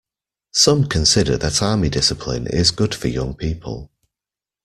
Some consider that army discipline is good for young people.